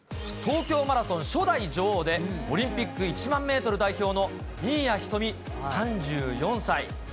東京マラソン初代女王で、オリンピック１万メートル代表の新谷仁美３４歳。